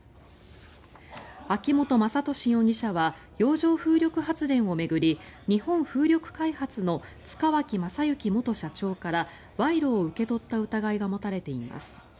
秋本真利容疑者は洋上風力発電を巡り日本風力開発の塚脇正幸元社長から賄賂を受け取った疑いが持たれています。